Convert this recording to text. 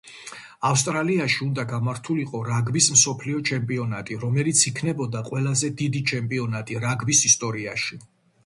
ავსტრალიაში უნდა გამართულიყო რაგბის მსოფლიო ჩემპიონატი, რომელიც იქნებოდა ყველაზე დიდი ჩემპიონატი რაგბის ისტორიაში.